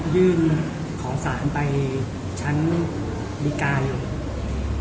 ยื่นขอสารไปชั้นดีการเลย